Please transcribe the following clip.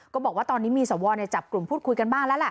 บอกว่าตอนนี้มีสวจับกลุ่มพูดคุยกันบ้างแล้วล่ะ